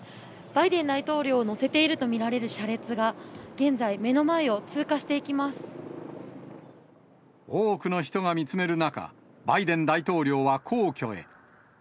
バイデン大統領を乗せていると見られる車列が、現在、目の前を通多くの人が見つめる中、バイデン大統領は皇居へ。